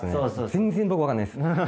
全然僕分かんないです